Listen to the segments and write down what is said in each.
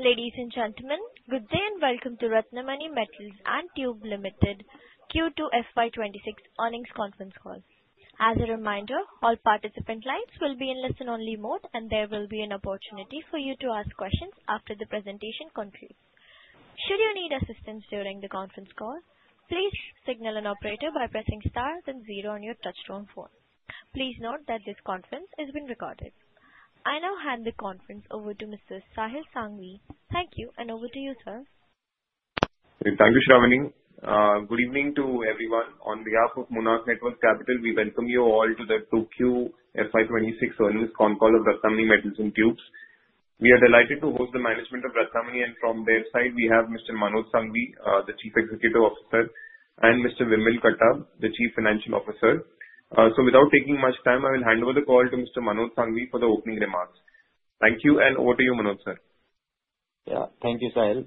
Ladies and gentlemen, good day and welcome to Ratnamani Metals & Tubes Limited Q2 FY26 Earnings Conference Call. As a reminder, all participant lines will be in listen-only mode, and there will be an opportunity for you to ask questions after the presentation concludes. Should you need assistance during the conference call, please signal an operator by pressing stars and zero on your touch-tone phone. Please note that this conference is being recorded. I now hand the conference over to Mr. Sahil Sanghvi. Thank you, and over to you, sir. Thank you, Shravani. Good evening to everyone. On behalf of Monarch Networth Capital, we welcome you all to the Q2 FY26 Earnings Call of Ratnamani Metals & Tubes. We are delighted to host the management of Ratnamani and from their side, we have Mr. Manoj Sanghvi, the Chief Executive Officer, and Mr. Vimal Katta, the Chief Financial Officer. So without taking much time, I will hand over the call to Mr. Manoj Sanghvi for the opening remarks. Thank you, and over to you, Manoj, sir. Yeah, thank you, Sahil.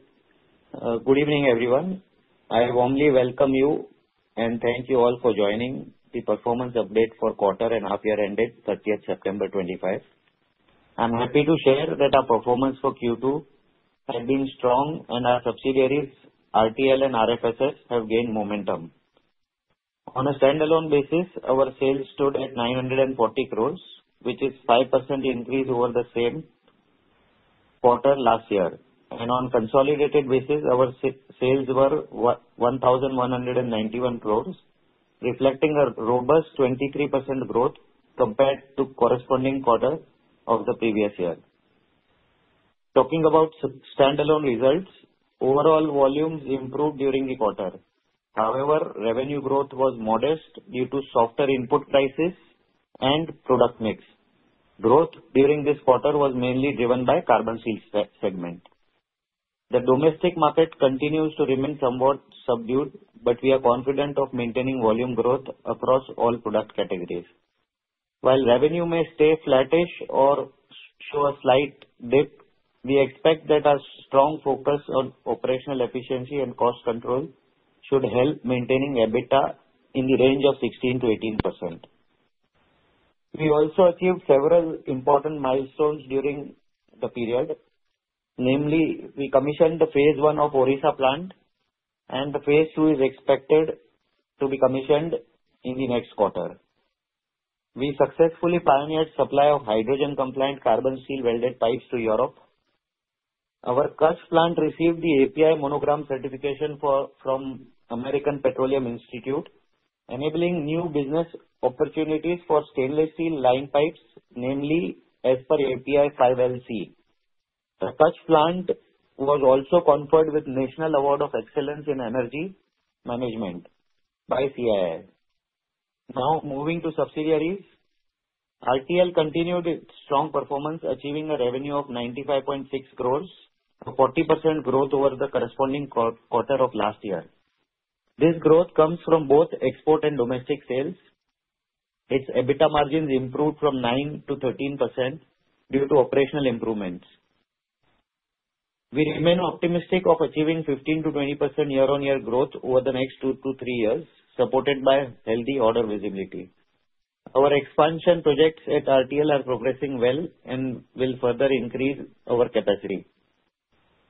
Good evening, everyone. I warmly welcome you and thank you all for joining the performance update for quarter and half-year ended September 30th, 2025. I'm happy to share that our performance for Q2 had been strong, and our subsidiaries, RTL and RFSS, have gained momentum. On a standalone basis, our sales stood at 940 crore, which is a 5% increase over the same quarter last year. And on a consolidated basis, our sales were 1,191 crore, reflecting a robust 23% growth compared to the corresponding quarter of the previous year. Talking about standalone results, overall volumes improved during the quarter. However, revenue growth was modest due to softer input prices and product mix. Growth during this quarter was mainly driven by the carbon steel segment. The domestic market continues to remain somewhat subdued, but we are confident of maintaining volume growth across all product categories. While revenue may stay flattish or show a slight dip, we expect that our strong focus on operational efficiency and cost control should help maintain EBITDA in the range of 16%-18%. We also achieved several important milestones during the period, namely, we commissioned the phase I of the Odisha plant, and the phase II is expected to be commissioned in the next quarter. We successfully pioneered the supply of hydrogen-compliant carbon steel welded pipes to Europe. Our Kutch plant received the API Monogram certification from the American Petroleum Institute, enabling new business opportunities for stainless steel line pipes, namely as per API 5LC. The Kutch plant was also conferred with the National Award of Excellence in Energy Management by CII. Now, moving to subsidiaries, RTL continued its strong performance, achieving a revenue of 95.6 crore, a 40% growth over the corresponding quarter of last year. This growth comes from both export and domestic sales. Its EBITDA margins improved from 9%-13% due to operational improvements. We remain optimistic of achieving 15%-20% year-on-year growth over the next two to three years, supported by healthy order visibility. Our expansion projects at RTL are progressing well and will further increase our capacity.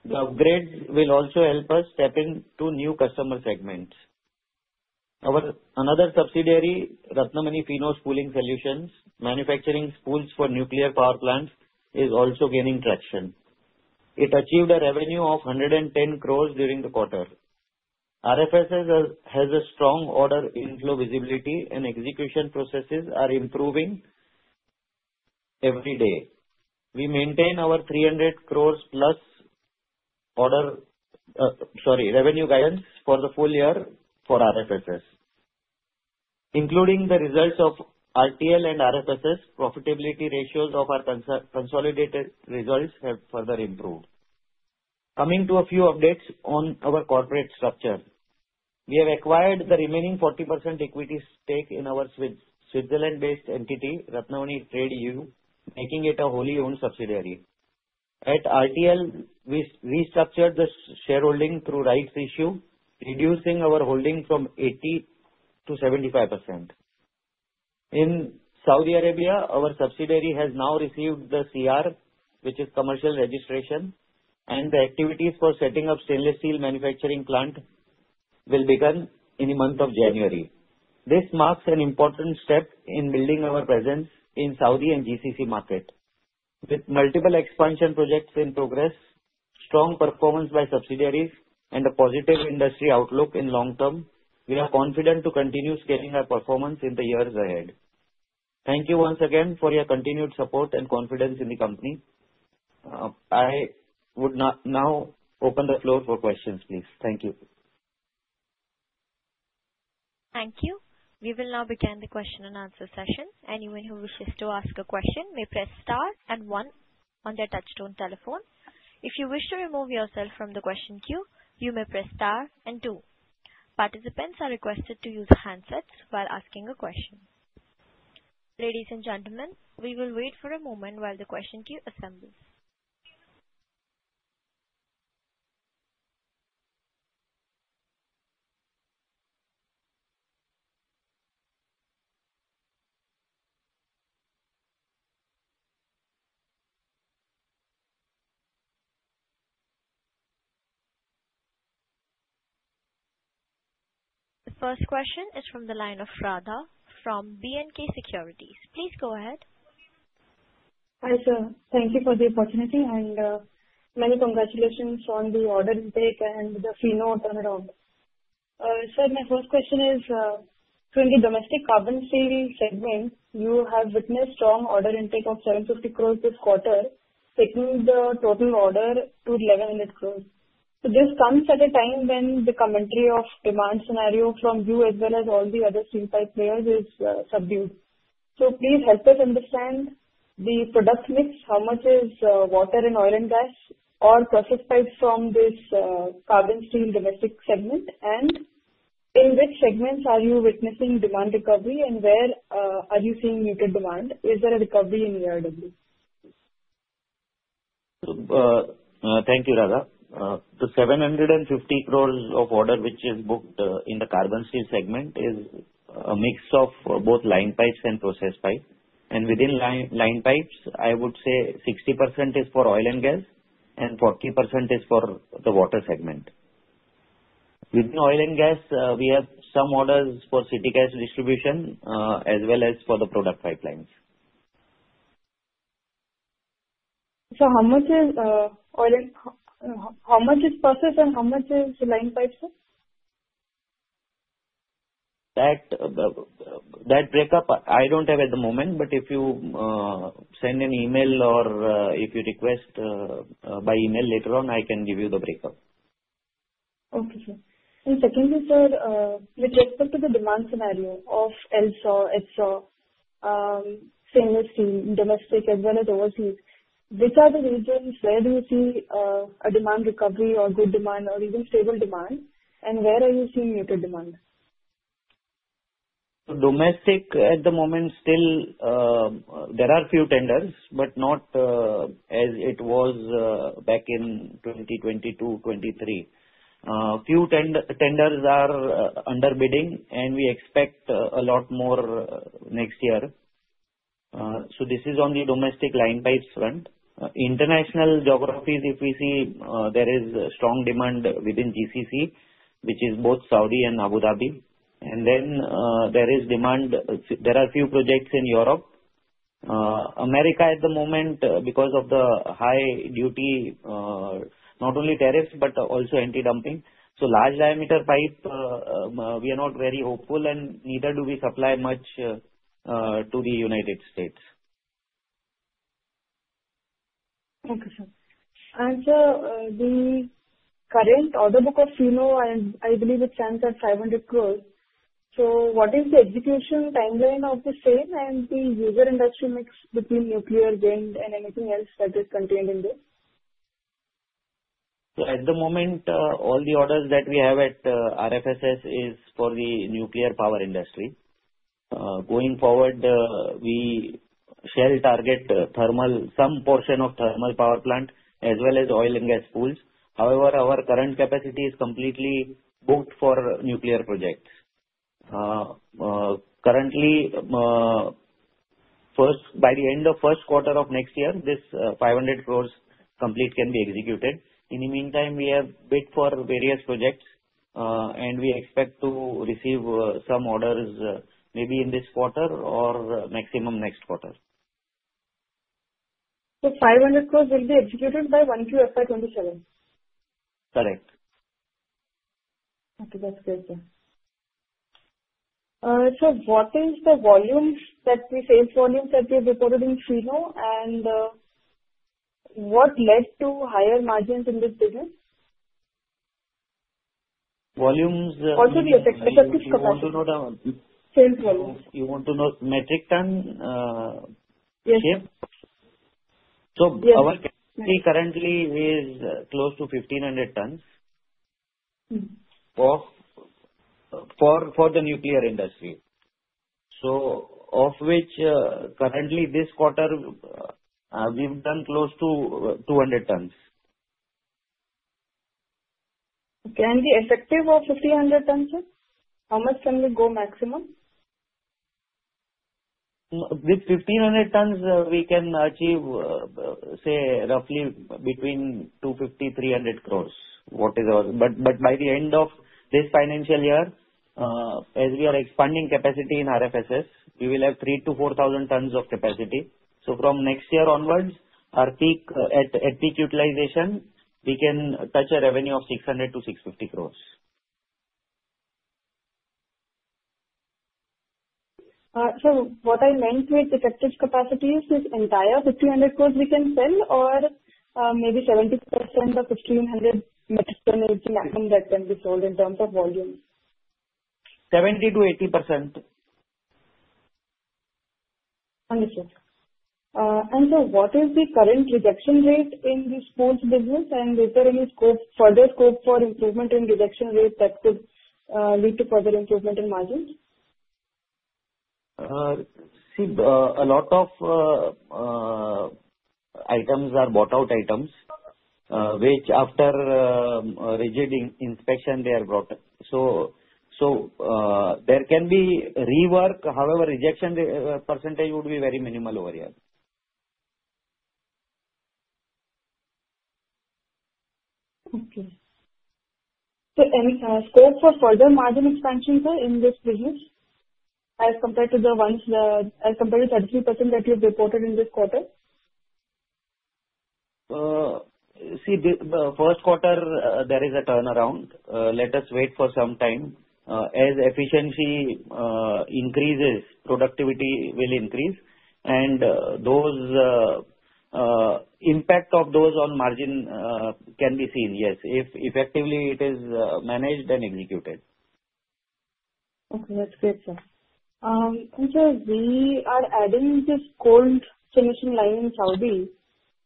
The upgrades will also help us step into new customer segments. Another subsidiary, Ratnamani Finow Spooling Solutions, manufacturing spools for nuclear power plants, is also gaining traction. It achieved a revenue of 110 crore during the quarter. RFSS has a strong order inflow visibility, and execution processes are improving every day. We maintain our 300 crore plus revenue guidance for the full year for RFSS. Including the results of RTL and RFSS, profitability ratios of our consolidated results have further improved. Coming to a few updates on our corporate structure, we have acquired the remaining 40% equity stake in our Switzerland-based entity, Ratnamani Trade AG, making it a wholly-owned subsidiary. At RTL, we restructured the shareholding through rights issue, reducing our holding from 80% to 75%. In Saudi Arabia, our subsidiary has now received the CR, which is Commercial Registration, and the activities for setting up a stainless steel manufacturing plant will begin in the month of January. This marks an important step in building our presence in the Saudi and GCC market. With multiple expansion projects in progress, strong performance by subsidiaries, and a positive industry outlook in the long term, we are confident to continue scaling our performance in the years ahead. Thank you once again for your continued support and confidence in the company. I would now open the floor for questions, please. Thank you. Thank you. We will now begin the question-and-answer session. Anyone who wishes to ask a question may press star and one on their touch-tone telephone. If you wish to remove yourself from the question queue, you may press star and two. Participants are requested to use handsets while asking a question. Ladies and gentlemen, we will wait for a moment while the question queue assembles. The first question is from the line of Radha from B&K Securities. Please go ahead. Hi sir, thank you for the opportunity and many congratulations on the order intake and the Finow turnaround. Sir, my first question is, in the domestic carbon steel segment, you have witnessed strong order intake of 750 crore this quarter, taking the total order to 1,100 crore. So this comes at a time when the commentary of demand scenario from you as well as all the other steel pipe players is subdued. So please help us understand the product mix. How much is water and oil and gas or process pipes from this carbon steel domestic segment, and in which segments are you witnessing demand recovery, and where are you seeing muted demand? Is there a recovery in the ERW? Thank you, Radha. The 750 crore of order which is booked in the carbon steel segment is a mix of both line pipes and process pipes. Within line pipes, I would say 60% is for oil and gas and 40% is for the water segment. Within oil and gas, we have some orders for city gas distribution as well as for the product pipelines. So how much is process and how much is line pipes, sir? That breakup, I don't have at the moment, but if you send an email or if you request by email later on, I can give you the breakup. Okay, sir. And secondly, sir, with respect to the demand scenario of LSAW, HSAW, stainless steel, domestic as well as overseas, which are the regions where do you see a demand recovery or good demand or even stable demand, and where are you seeing muted demand? Domestic, at the moment still, there are a few tenders, but not as it was back in 2022, 2023. A few tenders are under bidding, and we expect a lot more next year. This is on the domestic line pipes front. International geographies, if we see, there is strong demand within GCC, which is both Saudi and Abu Dhabi. Then there is demand. There are a few projects in Europe. America, at the moment, because of the high duty, not only tariffs but also anti-dumping. Large diameter pipe, we are not very hopeful, and neither do we supply much to the United States. Okay, sir. And sir, the current order book of Finow, I believe it stands at 500 crore. So what is the execution timeline of the same and the user industry mix between nuclear, wind, and anything else that is contained in this? At the moment, all the orders that we have at RFSS are for the nuclear power industry. Going forward, we shall target some portion of thermal power plant as well as oil and gas spools. However, our current capacity is completely booked for nuclear projects. Currently, by the end of the first quarter of next year, this 500 crore commitment can be executed. In the meantime, we have bid for various projects, and we expect to receive some orders maybe in this quarter or maximum next quarter. So 500 crore will be executed by 1Q FY27? Correct. Okay, that's good, sir. Sir, what is the sales volume that we have reported in Finow, and what led to higher margins in this business? Also the effective capacity. You want to know metric ton? Yes. Our capacity currently is close to 1,500 tons for the nuclear industry. Of which, currently, this quarter, we've done close to 200 tons. The effective of 1,500 tons, sir? How much can we go maximum? With 1,500 tons, we can achieve, say, roughly between 250-300 crore. But by the end of this financial year, as we are expanding capacity in RFSS, we will have 3,000-4,000 tons of capacity. So from next year onwards, at peak utilization, we can touch a revenue of 600-650 crore. So what I meant with effective capacity is this entire 1,500 crore we can sell, or maybe 70% of 1,500 metric tons that can be sold in terms of volume? 70%-80%. Understood. And sir, what is the current rejection rate in the spools business, and is there any further scope for improvement in rejection rate that could lead to further improvement in margins? See, a lot of items are bought-out items, which after rigid inspection, they are brought. So there can be rework. However, rejection percentage would be very minimal over here. Okay. So any scope for further margin expansion, sir, in this business as compared to the 33% that you've reported in this quarter? See, the first quarter, there is a turnaround. Let us wait for some time. As efficiency increases, productivity will increase, and impact of those on margin can be seen, yes, if effectively it is managed and executed. Okay, that's good, sir. And sir, we are adding this cold finishing line in Saudi.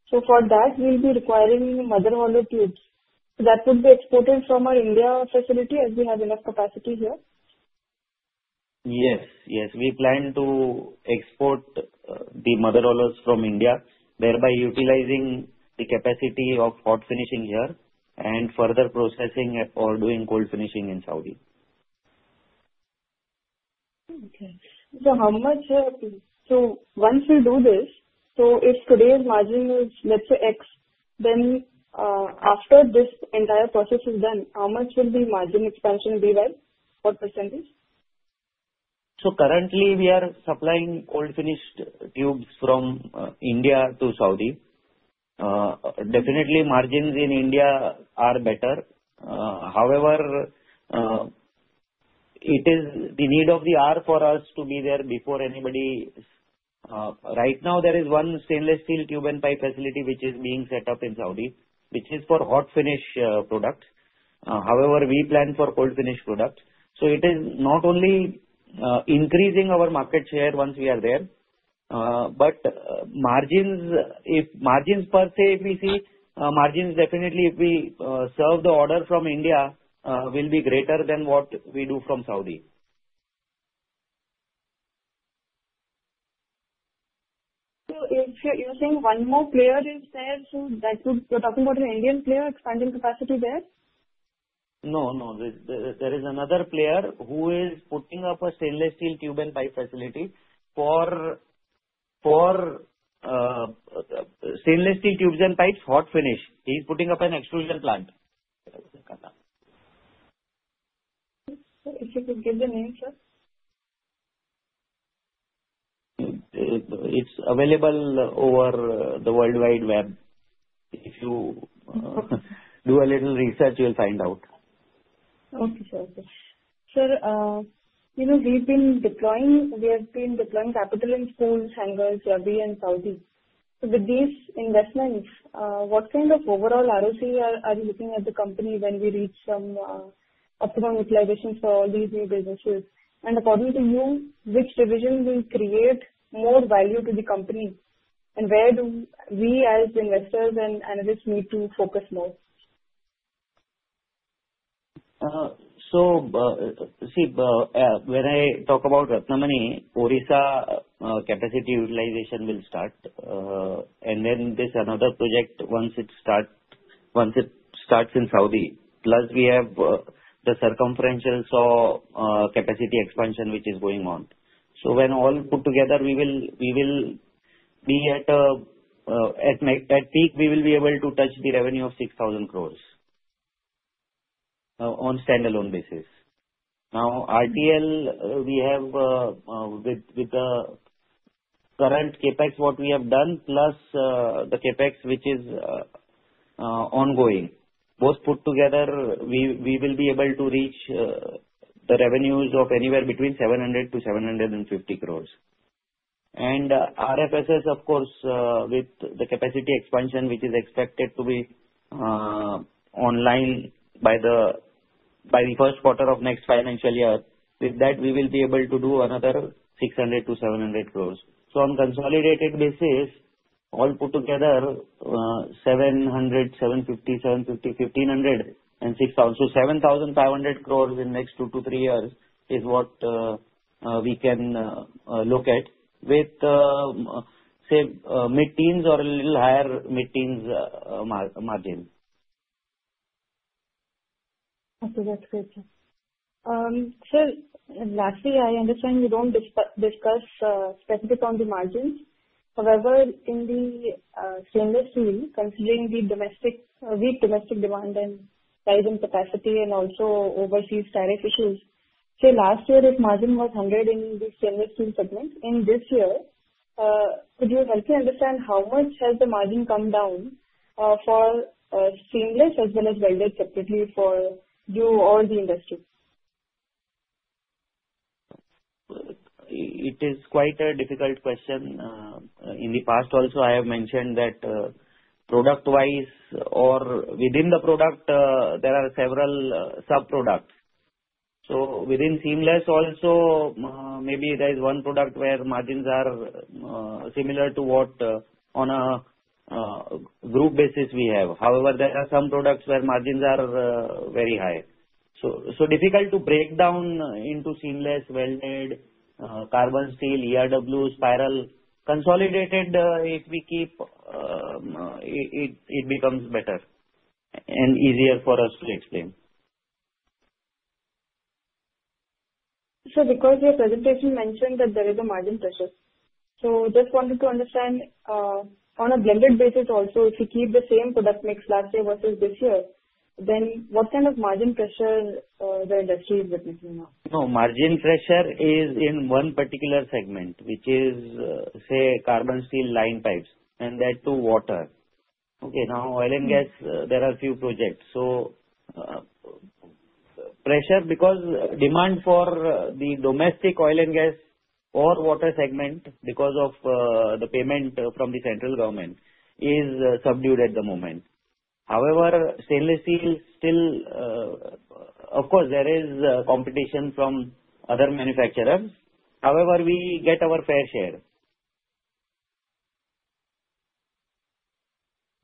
So for that, we'll be requiring mother hollows tubes. That would be exported from our India facility as we have enough capacity here? Yes, yes. We plan to export the mother hollows from India, thereby utilizing the capacity of hot finishing here and further processing or doing cold finishing in Saudi. Okay. So, how much? So, once we do this, so if today's margin is, let's say, X, then after this entire process is done, how much will the margin expansion be then for percentage? So currently, we are supplying cold finished tubes from India to Saudi. Definitely, margins in India are better. However, it is the need of the hour for us to be there before anybody. Right now, there is one stainless steel tube and pipe facility which is being set up in Saudi, which is for hot finish products. However, we plan for cold finish products. So it is not only increasing our market share once we are there, but margins per se, if we see, margins definitely, if we serve the order from India, will be greater than what we do from Saudi. So if you're saying one more player, is there? So you're talking about an Indian player expanding capacity there? No, no. There is another player who is putting up a stainless steel tube and pipe facility for stainless steel tubes and pipes, hot finish. He's putting up an extrusion plant. If you could give the name, sir? It's available over the World Wide Web. If you do a little research, you'll find out. Okay, sir. Sir, we've been deploying capital in spools, hangers, Ravi, and Saudi. So with these investments, what kind of overall ROC are you looking at the company when we reach some optimal utilization for all these new businesses? And according to you, which division will create more value to the company, and where do we as investors and analysts need to focus more? So see, when I talk about Ratnamani or Odisha, capacity utilization will start. And then there's another project once it starts in Saudi. Plus, we have the circumferential capacity expansion which is going on. So when all put together, we will be at peak. We will be able to touch the revenue of 6,000 crore on standalone basis. Now, RTL, we have with the current CapEx, what we have done, plus the CapEx, which is ongoing, both put together, we will be able to reach the revenues of anywhere between 700 to 750 crore. And RFSS, of course, with the capacity expansion, which is expected to be online by the first quarter of next financial year, with that, we will be able to do another 600 to 700 crore. On consolidated basis, all put together, 700, 750, 750, 1,500, and also 7,500 crore in the next two to three years is what we can look at with, say, mid-teens or a little higher mid-teens margin. Okay, that's good, sir. Sir, lastly, I understand you don't discuss specifically on the margins. However, in the stainless steel, considering the domestic demand and rising capacity and also overseas tariff issues, say last year this margin was 100 in the stainless steel segment. In this year, could you help me understand how much has the margin come down for stainless as well as welded separately for you or the industry? It is quite a difficult question. In the past also, I have mentioned that product-wise or within the product, there are several sub-products. So within seamless also, maybe there is one product where margins are similar to what on a group basis we have. However, there are some products where margins are very high. So difficult to break down into seamless, welded, carbon steel, ERW, spiral. Consolidated, if we keep, it becomes better and easier for us to explain. Sir, because your presentation mentioned that there are the margin pressures. So just wanted to understand on a blended basis also, if we keep the same product mix last year versus this year, then what kind of margin pressure the industry is witnessing now? No, margin pressure is in one particular segment, which is, say, carbon steel line pipes and that too water. Okay, now oil and gas, there are a few projects. So pressure because demand for the domestic oil and gas or water segment because of the payment from the central government is subdued at the moment. However, stainless steel still, of course, there is competition from other manufacturers. However, we get our fair share.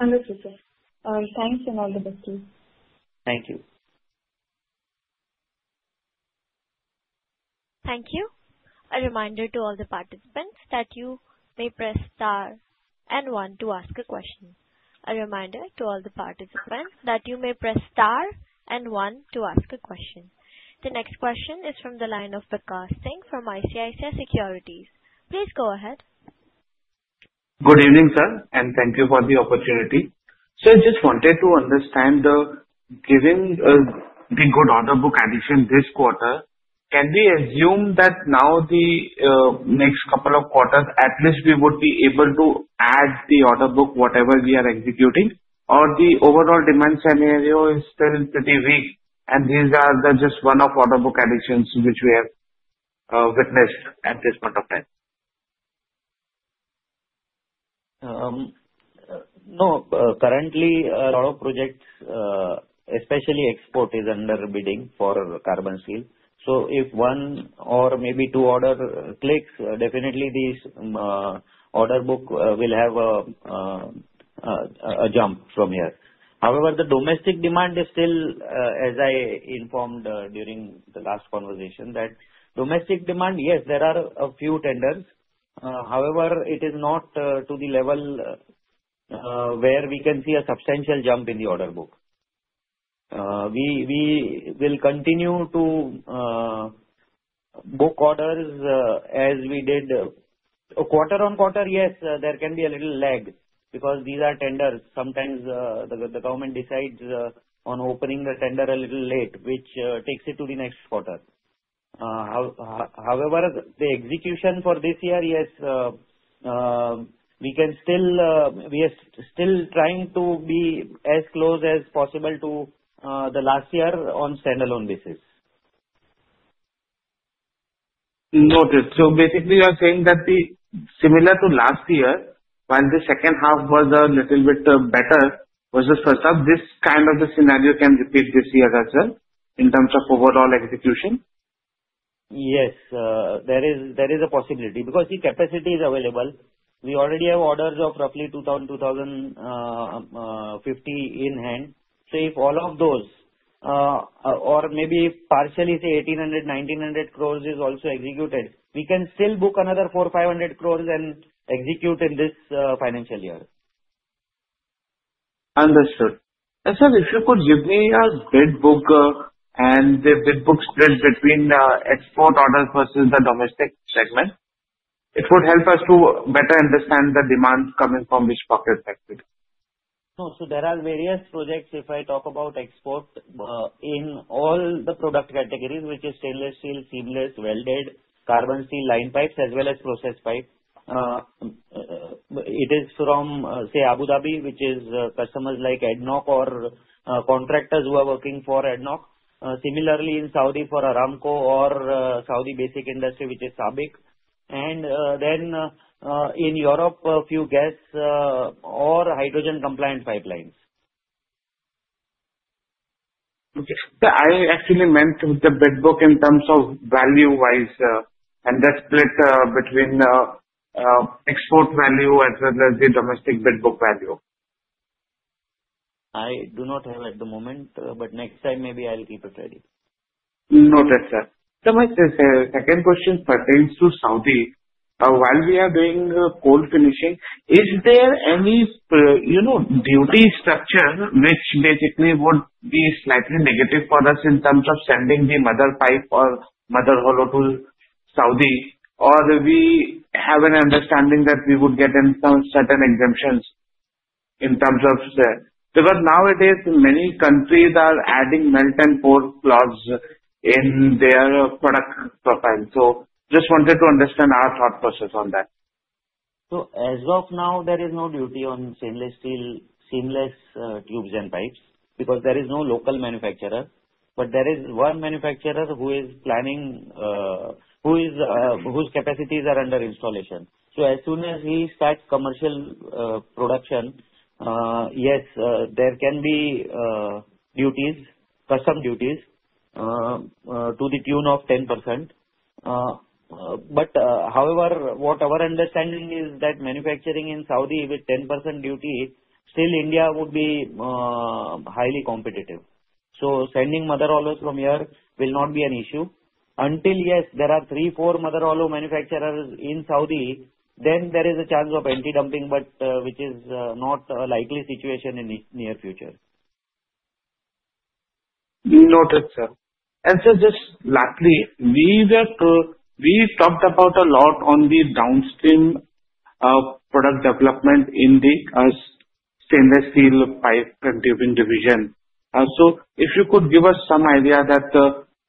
Understood, sir. Thanks and all the best to you. Thank you. Thank you. A reminder to all the participants that you may press star and one to ask a question. The next question is from the line of the Vikas from ICICI Securities. Please go ahead. Good evening, sir, and thank you for the opportunity. Sir, I just wanted to understand, given the good order book addition this quarter. Can we assume that now the next couple of quarters, at least we would be able to add the order book whatever we are executing, or the overall demand scenario is still pretty weak? And these are just one-off order book additions which we have witnessed at this point of time. No, currently, a lot of projects, especially export, is under bidding for carbon steel. So if one or maybe two order clicks, definitely the order book will have a jump from here. However, the domestic demand is still, as I informed during the last conversation, that domestic demand, yes, there are a few tenders. However, it is not to the level where we can see a substantial jump in the order book. We will continue to book orders as we did. Quarter on quarter, yes, there can be a little lag because these are tenders. Sometimes the government decides on opening the tender a little late, which takes it to the next quarter. However, the execution for this year, yes, we are still trying to be as close as possible to the last year on standalone basis. Noted. So basically, you are saying that similar to last year, while the second half was a little bit better versus first half, this kind of scenario can repeat this year as well in terms of overall execution? Yes, there is a possibility because the capacity is available. We already have orders of roughly 2,000-2,050 crore in hand. So if all of those, or maybe partially say 1,800-1,900 crore is also executed, we can still book another 4,500 crore and execute in this financial year. Understood. Sir, if you could give me a bid book and the bid book split between export orders versus the domestic segment, it would help us to better understand the demand coming from which pocket factory. So there are various projects if I talk about export in all the product categories, which is stainless steel, seamless, welded, carbon steel line pipes, as well as process pipe. It is from, say, Abu Dhabi, which is customers like ADNOC or contractors who are working for ADNOC. Similarly, in Saudi for Aramco or Saudi Basic Industries, which is SABIC. And then in Europe, a few gas or hydrogen-compliant pipelines. Okay. I actually meant the bid book in terms of value-wise and the split between export value as well as the domestic bid book value. I do not have at the moment, but next time maybe I'll keep it ready. Noted, sir. The second question pertains to Saudi. While we are doing cold finishing, is there any duty structure which basically would be slightly negative for us in terms of sending the mother pipe or mother hollow to Saudi, or we have an understanding that we would get certain exemptions in terms of because nowadays many countries are adding melt and pour plants in their product profile? So just wanted to understand our thought process on that. So as of now, there is no duty on stainless steel, seamless tubes and pipes because there is no local manufacturer. But there is one manufacturer who is planning, whose capacities are under installation. So as soon as he starts commercial production, yes, there can be customs duties to the tune of 10%. But however, what our understanding is that manufacturing in Saudi with 10% duty, still India would be highly competitive. So sending mother hollows from here will not be an issue until, yes, there are three, four mother hollow manufacturers in Saudi, then there is a chance of anti-dumping, but which is not a likely situation in the near future. Noted, sir. And sir, just lastly, we talked about a lot on the downstream product development in the stainless steel pipe ang tubing division. So if you could give us some idea that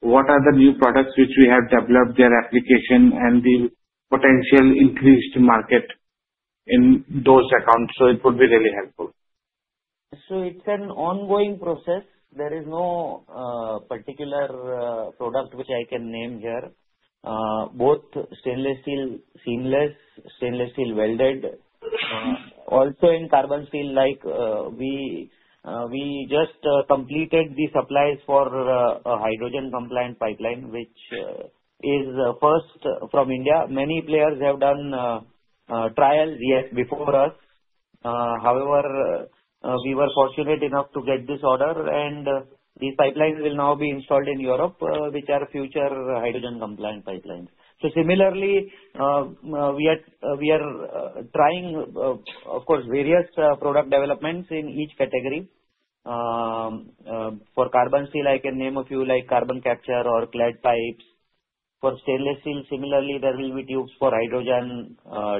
what are the new products which we have developed, their application, and the potential increased market in those accounts, so it would be really helpful. So it's an ongoing process. There is no particular product which I can name here. Both stainless steel seamless, stainless steel welded, also in carbon steel like. We just completed the supplies for a hydrogen-compliant pipeline, which is first from India. Many players have done trials, yes, before us. However, we were fortunate enough to get this order, and these pipelines will now be installed in Europe, which are future hydrogen-compliant pipelines. So similarly, we are trying, of course, various product developments in each category. For carbon steel, I can name a few like carbon capture or clad pipes. For stainless steel, similarly, there will be tubes for hydrogen,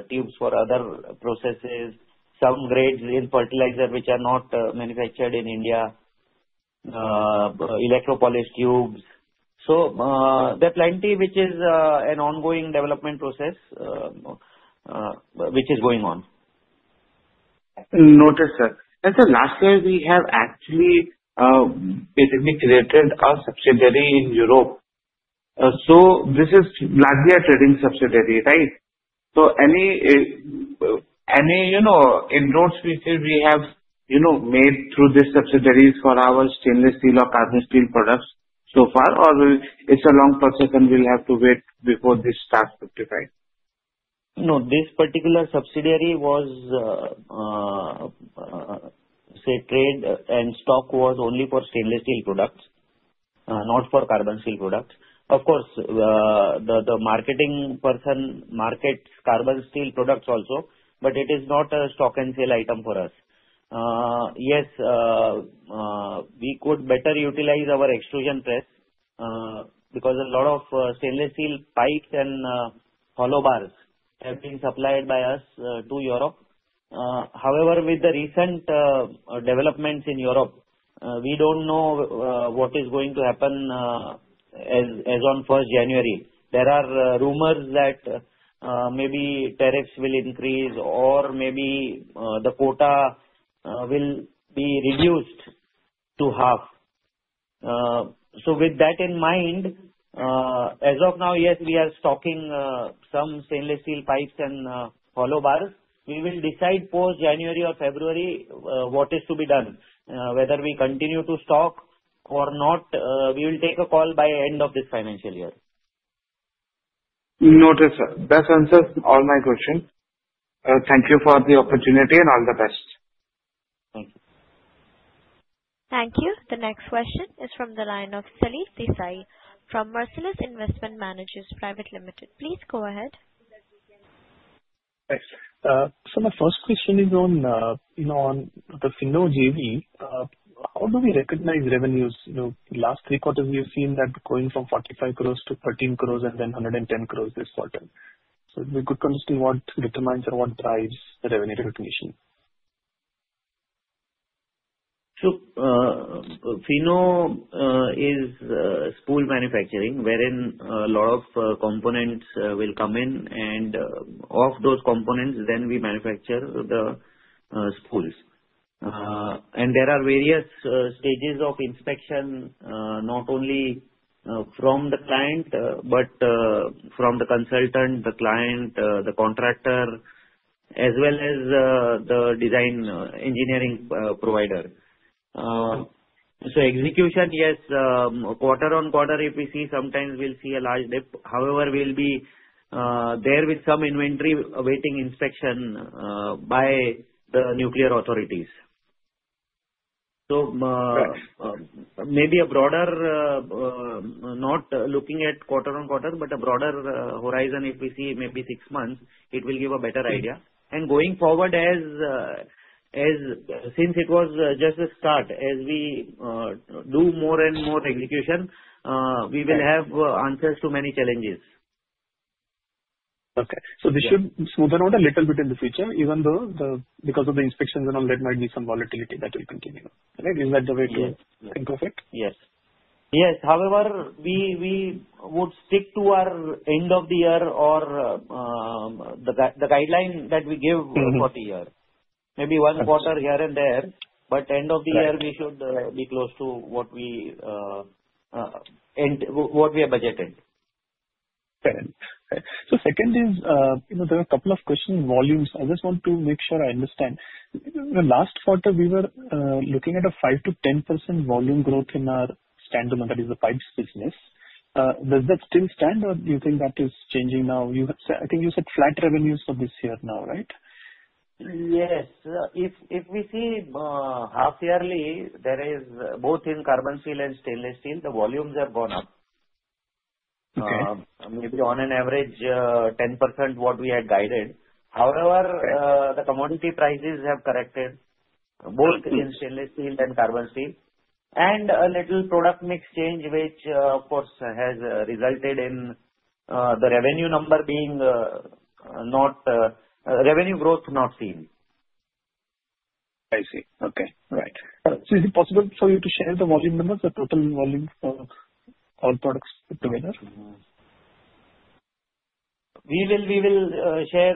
tubes for other processes, some grades in fertilizer which are not manufactured in India, electro-polished tubes. So there's plenty, which is an ongoing development process which is going on. Noted, sir. And sir, last year, we have actually basically created a subsidiary in Europe. So this is largely a trading subsidiary, right? So any in notes which we have made through these subsidiaries for our stainless steel or carbon steel products so far, or it's a long process and we'll have to wait before this starts to be fine? No, this particular subsidiary was, say, trade and stock was only for stainless steel products, not for carbon steel products. Of course, the marketing person markets carbon steel products also, but it is not a stock and sale item for us. Yes, we could better utilize our extrusion press because a lot of stainless steel pipes and hollow bars have been supplied by us to Europe. However, with the recent developments in Europe, we don't know what is going to happen as on January 1st. There are rumors that maybe tariffs will increase or maybe the quota will be reduced to half. So with that in mind, as of now, yes, we are stocking some stainless steel pipes and hollow bars. We will decide post-January or February what is to be done. Whether we continue to stock or not, we will take a call by end of this financial year. Noted, sir. That answers all my questions. Thank you for the opportunity and all the best. Thank you. Thank you. The next question is from the line of Salil Desai from Marcellus Investment Managers. Please go ahead. Thanks. So my first question is on the Finow JV. How do we recognize revenues? Last three quarters, we have seen that going from 45 crore to 13 crore and then 110 crore this quarter. So it would be good to understand what determines or what drives the revenue recognition. Finow is spool manufacturing wherein a lot of components will come in, and of those components, then we manufacture the spools. And there are various stages of inspection, not only from the client, but from the consultant, the client, the contractor, as well as the design engineering provider. Execution, yes, quarter on quarter, if we see, sometimes we'll see a large dip. However, we'll be there with some inventory awaiting inspection by the nuclear authorities. Maybe a broader, not looking at quarter on quarter, but a broader horizon, if we see, maybe six months, it will give a better idea. And going forward, since it was just a start, as we do more and more execution, we will have answers to many challenges. Okay. So this should smoothen out a little bit in the future, even though because of the inspections and all that, there might be some volatility that will continue. Is that the way to think of it? Yes. Yes. However, we would stick to our end of the year or the guideline that we give for the year. Maybe one quarter here and there, but end of the year, we should be close to what we have budgeted. Okay. So second is there are a couple of question volumes. I just want to make sure I understand. Last quarter, we were looking at a 5%-10% volume growth in our standalone, that is the pipes business. Does that still stand, or do you think that is changing now? I think you said flat revenues for this year now, right? Yes. If we see half-yearly, there is both in carbon steel and stainless steel, the volumes have gone up. Maybe on an average, 10% what we had guided. However, the commodity prices have corrected, both in stainless steel and carbon steel, and a little product mix change, which of course has resulted in the revenue number being not revenue growth not seen. I see. Okay. Right. So is it possible for you to share the volume numbers, the total volume for all products together? We will share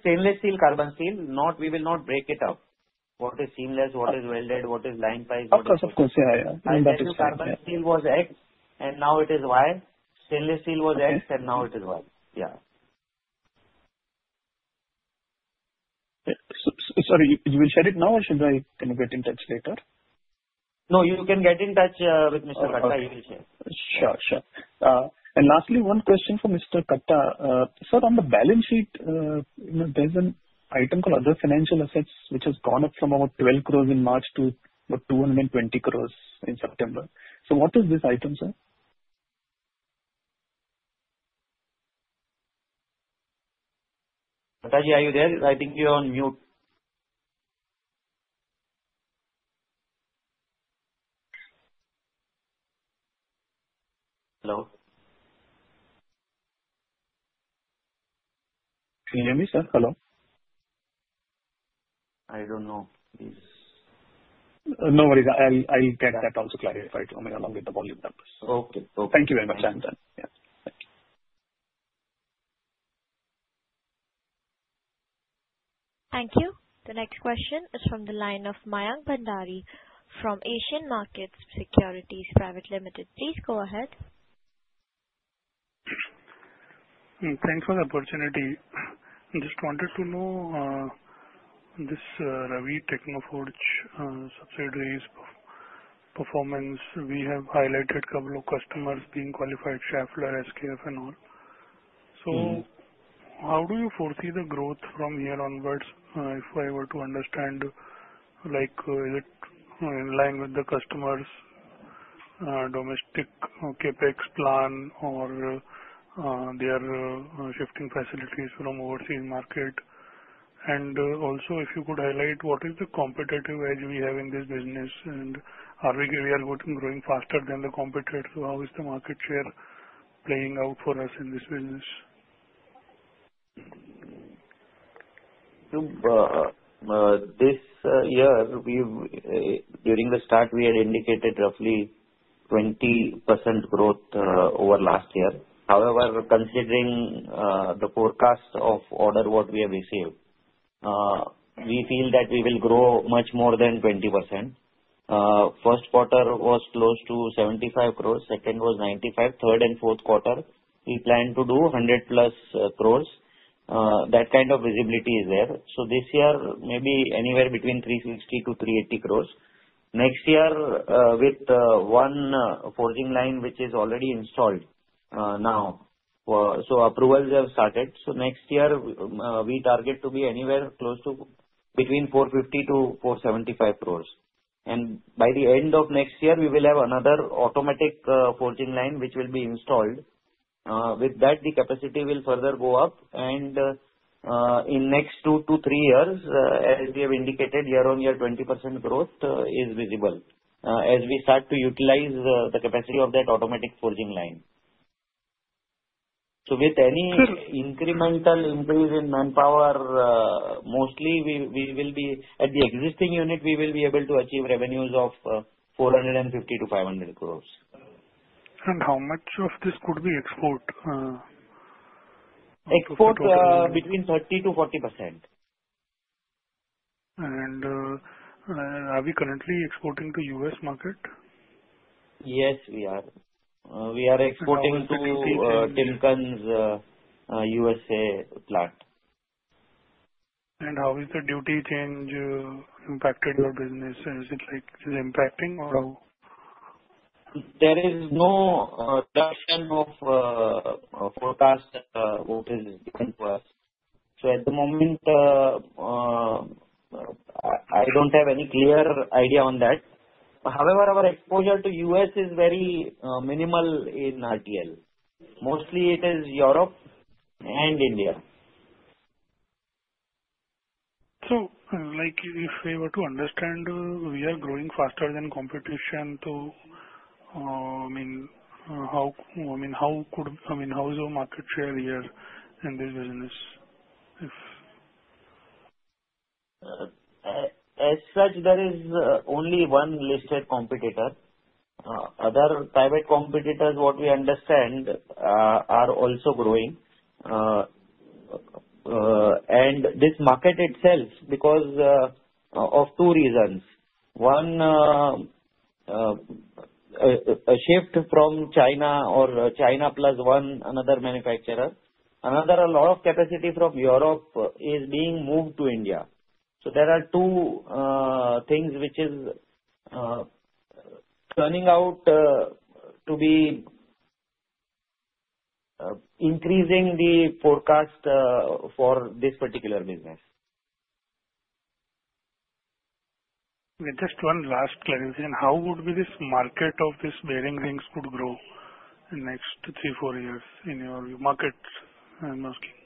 stainless steel, carbon steel. We will not break it up. What is seamless, what is welded, what is line pipe. Of course, of course. Yeah, yeah. Carbon steel was X, and now it is Y. Stainless steel was X, and now it is Y. Yeah. Sorry, you will share it now, or should I kind of get in touch later? No, you can get in touch with Mr. Katta. He will share. Sure, sure. And lastly, one question for Mr. Katta. Sir, on the balance sheet, there's an item called other financial assets, which has gone up from about 12 crore in March to about 220 crore in September. So what is this item, sir? Katta, are you there? I think you're on mute. Hello? Can you hear me, sir? Hello? I don't know. No worries. I'll get that also clarified along with the volume numbers. Okay, okay. Thank you very much. Thank you. Thank you. The next question is from the line of Mayank Bhandari from Asian Markets Securities Private Ltd. Please go ahead. Thanks for the opportunity. I just wanted to know this Ravi Technoforge subsidiary's performance. We have highlighted a couple of customers being qualified Schaeffler, SKF, and all. So how do you foresee the growth from here onwards if I were to understand? Is it in line with the customer's domestic CapEx plan, or they are shifting facilities from overseas market? And also, if you could highlight, what is the competitive edge we have in this business? And are we growing faster than the competitor? So how is the market share playing out for us in this business? This year, during the start, we had indicated roughly 20% growth over last year. However, considering the forecast of order what we have received, we feel that we will grow much more than 20%. First quarter was close to 75 crore. Second was 95 crore. Third and fourth quarter, we planned to do 100 plus crore. That kind of visibility is there, so this year, maybe anywhere between 360-380 crore. Next year, with one forging line which is already installed now, so approvals have started, so next year, we target to be anywhere close to between 450-475 crore, and by the end of next year, we will have another automatic forging line which will be installed. With that, the capacity will further go up. In next two to three years, as we have indicated, year-on-year 20% growth is visible as we start to utilize the capacity of that automatic forging line. With any incremental increase in manpower, mostly we will be at the existing unit, we will be able to achieve revenues of 450-500 crore. How much of this could we export? Export between 30%-40%. Are we currently exporting to U.S. market? Yes, we are. We are exporting to Timken USA plant. How has the duty change impacted your business? Is it impacting, or? There is no direction of forecast what is coming for us. So at the moment, I don't have any clear idea on that. However, our exposure to U.S. is very minimal in RTL. Mostly, it is Europe and India. So if we were to understand, we are growing faster than competition. I mean, how is your market share here in this business? As such, there is only one listed competitor. Other private competitors, what we understand, are also growing, and this market itself, because of two reasons: one, a shift from China or China plus one, another manufacturer. Another, a lot of capacity from Europe is being moved to India, so there are two things which are turning out to be increasing the forecast for this particular business. Okay. Just one last clarification. How would this market of this bearing rings could grow in the next three, four years in your market, mostly? So,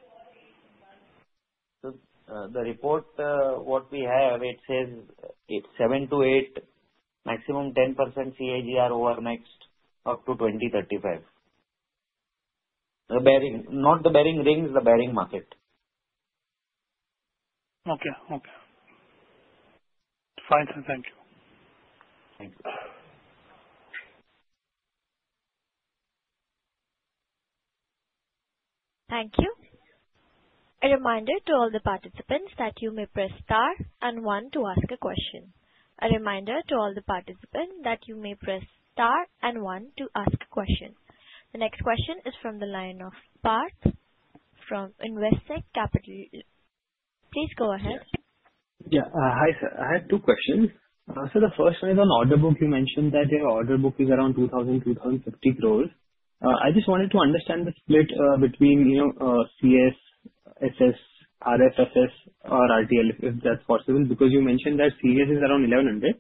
the report, what we have, it says 7-8%, maximum 10% CAGR over next up to 2035. Not the bearing rings, the bearing market. Okay, okay. Fine, sir. Thank you. Thank you. Thank you. A reminder to all the participants that you may press star and one to ask a question. The next question is from the line of Parth from Investec Capital. Please go ahead. Yeah. Hi, sir. I have two questions. So the first one is on order book. You mentioned that your order book is around 2,000-2,050 crore. I just wanted to understand the split between CS, SS, RFSS, or RTL, if that's possible, because you mentioned that CS is around 1,100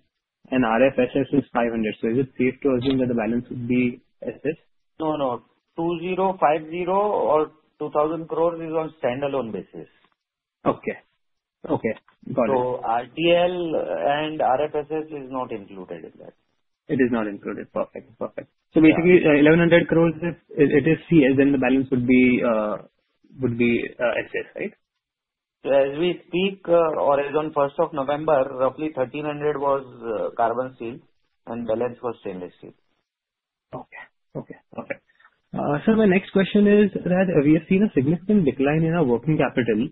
and RFSS is 500. So is it safe to assume that the balance would be SS? No, no, 2,050 or 2,000 crore is on standalone basis. Okay. Okay. Got it. So RTL and RFSS is not included in that. It is not included. Perfect. Perfect. So basically, 1,100 crore, it is CS, then the balance would be SS, right? So as we speak, or as on November 1st, roughly 1,300 was carbon steel and balance was stainless steel. Okay. So my next question is that we have seen a significant decline in our working capital.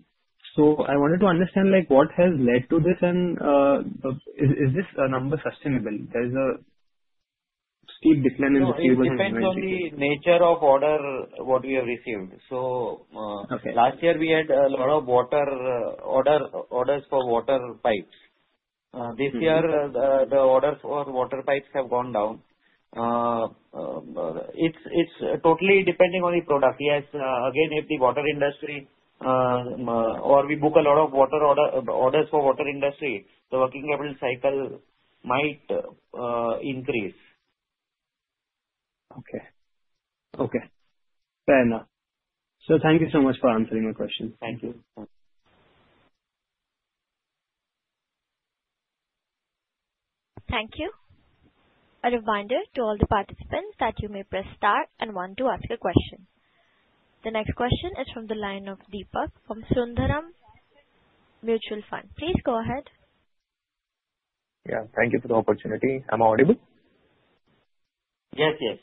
So I wanted to understand what has led to this, and is this number sustainable? There is a steep decline in the fuel and the finance. It depends on the nature of order what we have received. So last year, we had a lot of orders for water pipes. This year, the orders for water pipes have gone down. It's totally depending on the product. Yes, again, if the water industry or we book a lot of orders for water industry, the working capital cycle might increase. Okay. Okay. Fair enough. So thank you so much for answering my question. Thank you. Thank you. A reminder to all the participants that you may press star and one to ask a question. The next question is from the line of Deepak from Sundaram Mutual Fund. Please go ahead. Yeah. Thank you for the opportunity. Am I audible? Yes, yes.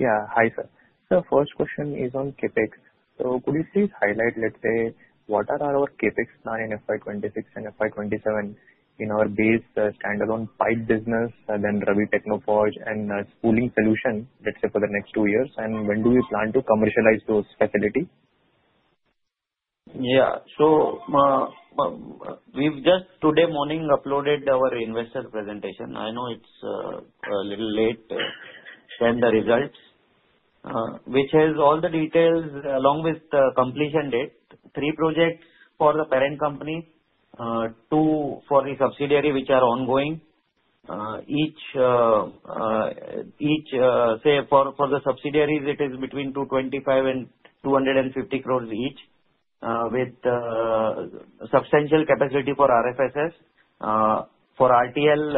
Yeah. Hi, sir. So first question is on CapEx. So could you please highlight, let's say, what are our CapEx plan in FY26 and FY27 in our base standalone pipe business, then Ravi Technoforge and spooling solution, let's say, for the next two years? And when do you plan to commercialize those facilities? Yeah. So we've just today morning uploaded our investor presentation. I know it's a little late. Sent the results, which has all the details along with the completion date. Three projects for the parent company, two for the subsidiary, which are ongoing. Each, say, for the subsidiaries, it is between 225 and 250 crore each with substantial capacity for RFSS. For RTL,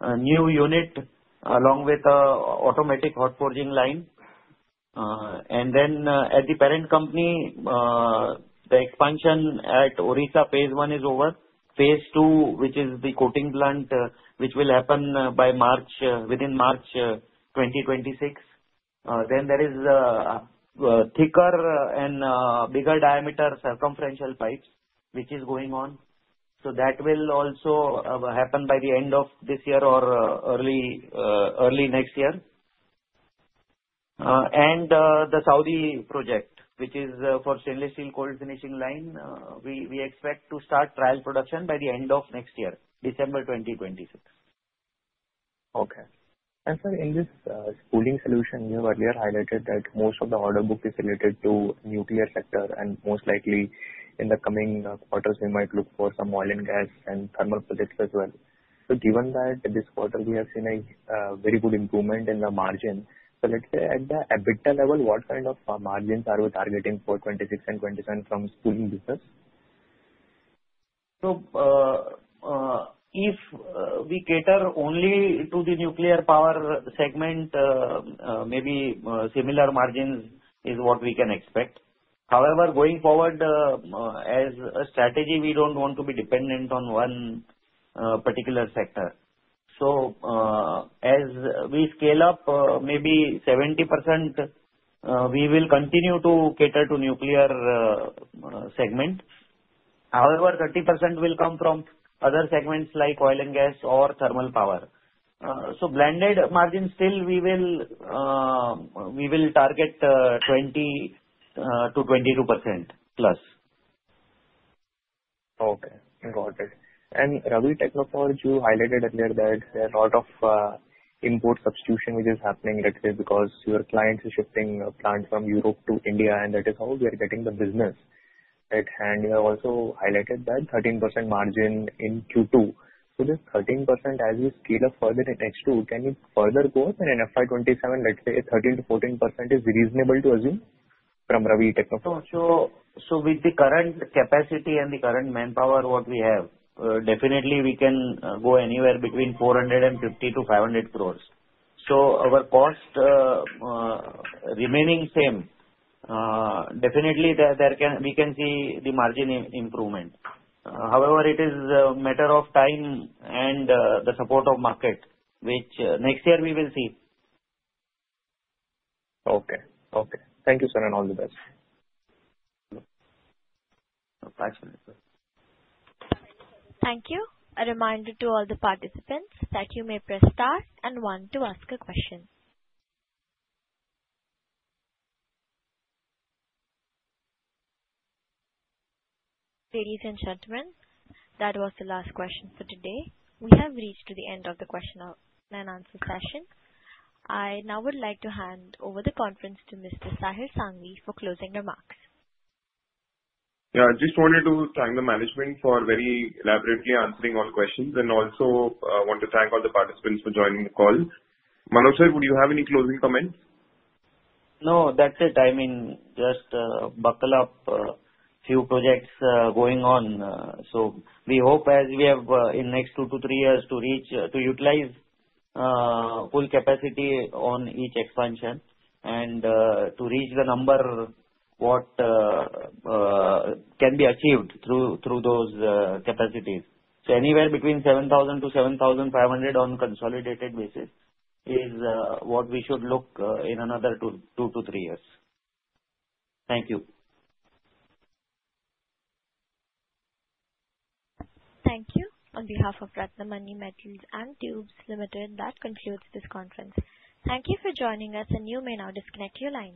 a new unit along with an automatic hot forging line. And then at the parent company, the expansion at Odisha phase I is over. phase II, which is the coating plant, which will happen within March 2026. Then there is a thicker and bigger diameter circumferential pipes, which is going on. So that will also happen by the end of this year or early next year. The Saudi project, which is for stainless steel cold finishing line, we expect to start trial production by the end of next year, December 2026. Okay. And sir, in this spooling solution, you have earlier highlighted that most of the order book is related to nuclear sector, and most likely in the coming quarters, we might look for some oil and gas and thermal projects as well. So given that this quarter, we have seen a very good improvement in the margin. So let's say at the EBITDA level, what kind of margins are we targeting for 26 and 27 from spooling business? So if we cater only to the nuclear power segment, maybe similar margins is what we can expect. However, going forward, as a strategy, we don't want to be dependent on one particular sector. So as we scale up, maybe 70%, we will continue to cater to the nuclear segment. However, 30% will come from other segments like oil and gas or thermal power. So blended margin still, we will target 20%-22% plus. Okay. Got it. And Ravi Technoforge, you highlighted earlier that there are a lot of import substitution which is happening, let's say, because your clients are shifting plants from Europe to India, and that is how we are getting the business. And you have also highlighted that 13% margin in Q2. So this 13%, as we scale up further in H2, can it further go up? And in FY27, let's say 13%-14% is reasonable to assume from Ravi Technoforge? So with the current capacity and the current manpower what we have, definitely we can go anywhere between 450-500 crore. So our cost remaining same. Definitely, we can see the margin improvement. However, it is a matter of time and the support of market, which next year we will see. Okay. Okay. Thank you, sir, and all the best. Thank you. A reminder to all the participants that you may press star and one to ask a question. Ladies and gentlemen, that was the last question for today. We have reached the end of the question and answer session. I now would like to hand over the conference to Mr. Sahil Sanghvi for closing remarks. Yeah. I just wanted to thank the management for very elaborately answering all questions. And also, I want to thank all the participants for joining the call. Manoj sir, would you have any closing comments? No. That's it. I mean, just buckle up. Few projects going on, so we hope as we have in next two to three years to utilize full capacity on each expansion and to reach the number what can be achieved through those capacities, so anywhere between 7,000-7,500 on consolidated basis is what we should look in another two to three years. Thank you. Thank you. On behalf of Ratnamani Metals & Tubes Ltd, that concludes this conference. Thank you for joining us, and you may now disconnect your line.